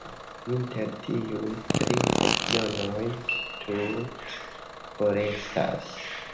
Inter tiuj tri regionoj tute forestas.